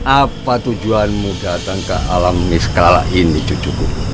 apa tujuanmu datang ke alam miskala ini cucuku